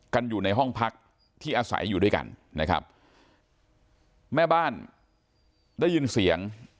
อยู่ในห้องพักที่อาศัยอยู่ด้วยกันนะครับแม่บ้านได้ยินเสียง